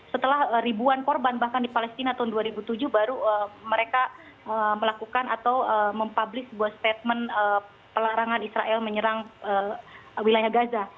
setelah ribuan korban bahkan di palestina tahun dua ribu tujuh baru mereka melakukan atau mempublish sebuah statement pelarangan israel menyerang wilayah gaza